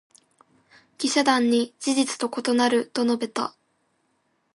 記者団に「事実と異なる」と述べた。